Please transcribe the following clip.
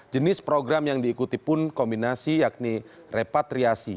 jenis program yang diikuti pun kombinasi yakni repatriasi